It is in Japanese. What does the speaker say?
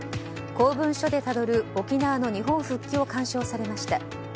「公文書でたどる沖縄の日本復帰」を鑑賞されました。